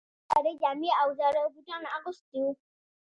هغه زړې جامې او زاړه بوټان اغوستي وو